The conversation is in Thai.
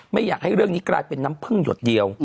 ไม่อยากให้เรื่องนี้กลายเป็นน้ำพึ่งหยดเดียว